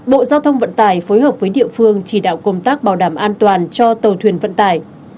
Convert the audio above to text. bộ giao thông vận tải phối hợp với địa phương chỉ đạo công tác bảo đảm an toàn cho tàu thuyền vận tải